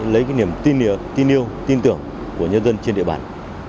lấy cái niềm tin yêu tin tưởng của nhân dân trên địa bàn